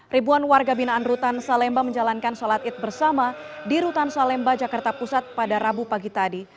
ribuan warga binaan rutan salemba menjalankan sholat id bersama di rutan salemba jakarta pusat pada rabu pagi tadi